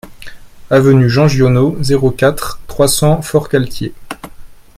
Avenue Jean Giono, zéro quatre, trois cents Forcalquier